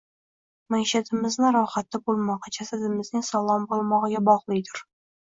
Maishatimizni rohatda bo’lmog’i jasadimizning sog’lom bo’lmog’iga bog’lidur